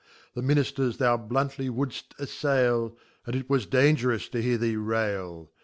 The Minijters thou bluntly would ft" afTail, And it was dangerous to hear thee rail.